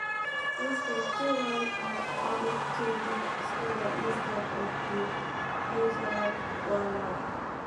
Instead, two runs are added to the score instead of the usual one run.